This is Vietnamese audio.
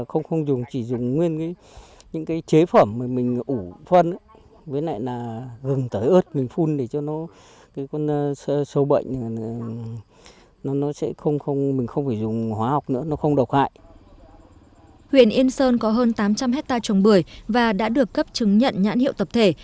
huyền yên sơn có hơn tám trăm linh hectare trồng bưởi và đã được cấp chứng nhận nhãn hiệu tập thể